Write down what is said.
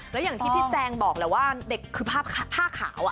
แล้วอย่างที่พี่แจงบอกแหละว่าเด็กคือผ้าขาว